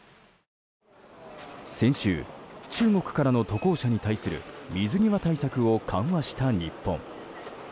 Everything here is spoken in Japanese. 先週、中国からの渡航者に対する水際対策を緩和した日本。